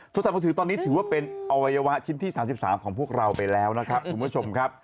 โทรศัพท์มือถือตอนนี้ถือว่าเป็นอวัยวะชิ้นที่๓๓ของพวกเราไปแล้วนะครับคุณผู้ชมครับ